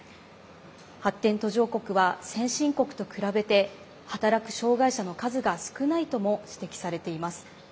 発展途上国は先進国と比べて働く障害者の数が少ないとも指摘されています。